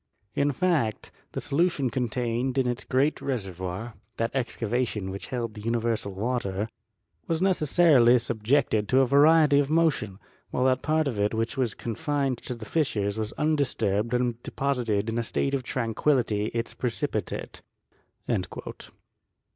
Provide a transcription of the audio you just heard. In fact, the solution contained in its great reservoir (that excavation which held the universal water) was necessarily subjected to a variety of motion, while that part of it which was confined to the fissures was undisturbed and deposited in a state of tranquillity its precipitate."